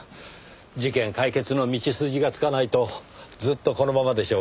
事件解決の道筋がつかないとずっとこのままでしょうねぇ。